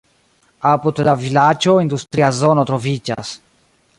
Apud la vilaĝo industria zono troviĝas.